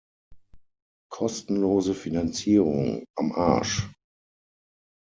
Kostenlose Finanzierung am Arsch!